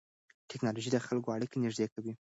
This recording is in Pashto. ټیکنالوژي د خلکو اړیکې نږدې کوي.